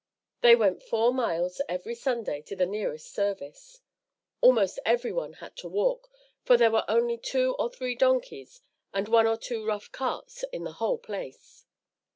They went four miles every Sunday to the nearest service. Almost every one had to walk, for there were only two or three donkeys and one or two rough carts in the whole place.